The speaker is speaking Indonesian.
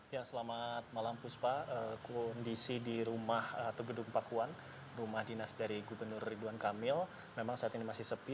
ya selamat malam puspa kondisi di rumah atau gedung pakuan rumah dinas dari gubernur ridwan kamil memang saat ini masih sepi